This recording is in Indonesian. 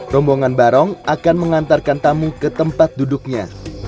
rombongan barong akan mengantarkan tamu ke tempat duduknya